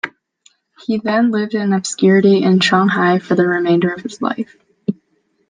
He then lived in obscurity in Shanghai for the remainder of his life.